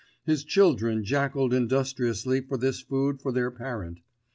His children jackalled industriously for this food for their parent.